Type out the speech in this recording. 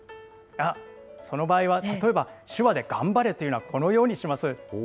その場合は、例えば、手話で頑張れというのは、このようにします。